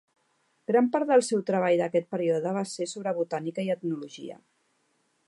Gran part del seu treball d'aquest període va ser sobre botànica i etnologia.